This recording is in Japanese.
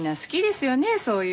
そういうの。